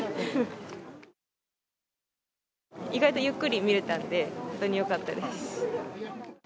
意外とゆっくり見れたんで、本当によかったです。